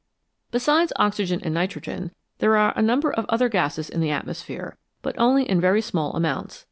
Besides oxygen and nitrogen, there are a number of other gases in the atmosphere, but only in very small amounts.